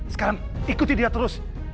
sekarang ikuti dia terus